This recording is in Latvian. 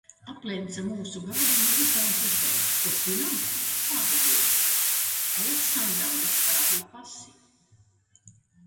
Aplenca mūsu galdiņu no visām pusēm. Ko svinam? Vārda dienu! Aleksandram lika parādīt pasi.